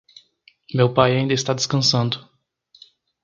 Meu pai ainda está descansando.